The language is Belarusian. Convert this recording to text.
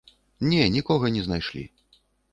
Не, нікога не знайшлі.